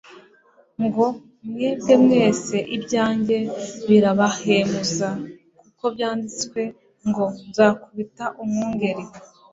ngo : "Mwebwe mwese ibyanjye birabahemuza kuko byanditswe ngo nzakubita umwungeri,